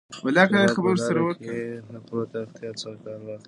ته باید په لاره کې له پوره احتیاط څخه کار واخلې.